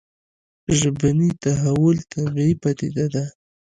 ژبني تحول طبیعي پديده ده